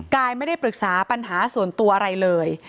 กายไม่ได้ปรึกษาปัญหาส่วนตัวอะไรเลย